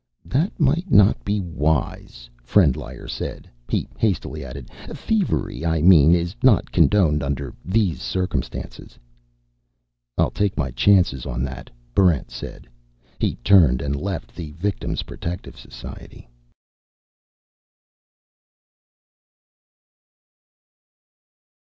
"That might not be wise," Frendlyer said. He hastily added, "Thievery, I mean, is not condoned under these circumstances." "I'll take my chances on that," Barrent said. He turned and left the Victim's Protective Society.